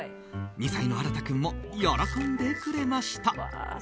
２歳の新君も喜んでくれました。